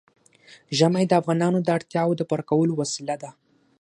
ژمی د افغانانو د اړتیاوو د پوره کولو وسیله ده.